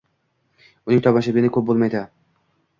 Uning tomoshabini ko‘p bo‘lmaydi.